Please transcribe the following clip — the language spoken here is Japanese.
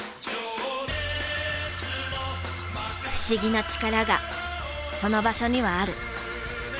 不思議な力がその場所にはある。